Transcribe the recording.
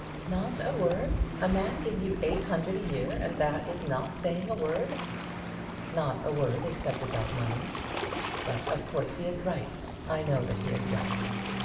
"Not a word! A man gives you eight hundred a year, and that is not saying a word!" "Not a word except about money! But of course he is right. I know that he is right.